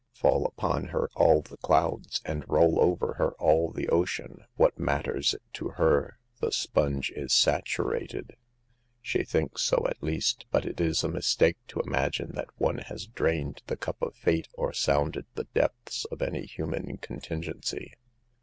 Fall upon her all the clouds, *nd SOCIETY BUYING A SLAVE. 219 roll over her all the ocean ! What matters it to her ? The sponge is saturated, " She thinks so, at least, but it is a mistake to imagine that one has drained the cup of fate, or sounded the depths of any human contin gency.